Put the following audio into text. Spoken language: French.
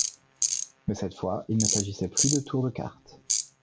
Mais cette fois il ne s’agissait plus de tours de cartes.